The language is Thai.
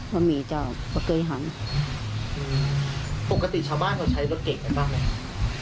ไม่มีจ้าวเพราะเคยหันอืมปกติชาวบ้านเขาใช้รถเก่งอะไรบ้างไหม